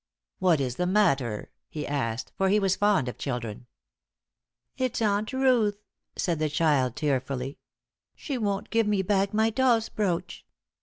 "What is the matter?" he asked, for he was fond of children. "It's Aunt Ruth," said the child, tearfully. "She won't give me back my doll's brooch."